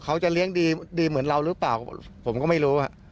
เขาจะเลี้ยงดีเหมือนเราหรือเปล่าผมก็ไม่รู้